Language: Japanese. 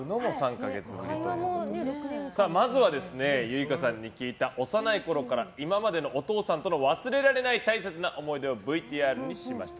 まずは、結奏さんに聞いた幼いころから今までのお父さんとの忘れられない大切な思い出をＶＴＲにしました。